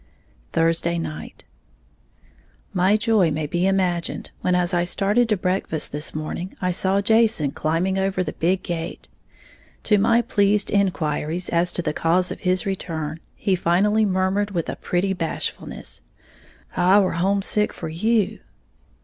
Thursday Night. My joy may be imagined when, as I started to breakfast this morning, I saw Jason come climbing over the big gate. To my pleased inquiries as to the cause of his return, he finally murmured with pretty bashfulness, "I were homesick for you!"